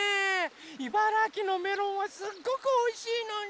茨城のメロンはすっごくおいしいのに！